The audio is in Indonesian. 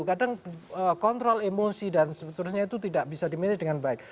kadang kontrol emosi dan sebetulnya itu tidak bisa di manage dengan baik